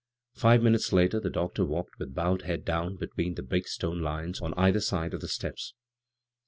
Five minutes later the doctor walked with bowed head down between the big stone lions on either side of the steps.